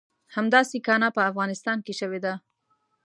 همداسې کانه په افغانستان کې شوې ده.